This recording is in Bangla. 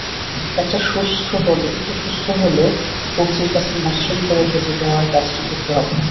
একটু সুস্থ হলে কবজির কাছে মসৃণ করে কেটে দেওয়ার কাজটি করতে হবে।